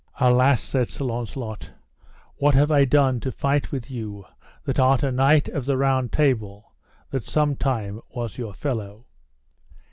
Alas, said Sir Launcelot, what have I done to fight with you that art a knight of the Round Table, that sometime was your fellow?